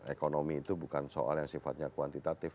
ekonomi itu bukan soal yang sifatnya kuantitatif